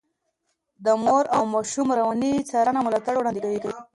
د مور او ماشوم رواني څانګه ملاتړ وړاندې کوي.